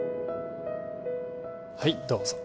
はいどうぞ